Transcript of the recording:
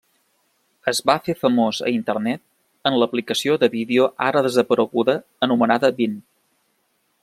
Es va fer famós a Internet en l'aplicació de vídeo ara desapareguda anomenada Vine.